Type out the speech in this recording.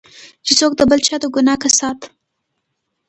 چې څوک د بل چا د ګناه کسات.